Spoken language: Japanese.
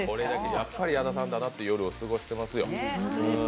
やっぱり矢田さんだなという夜を過ごしてますよ。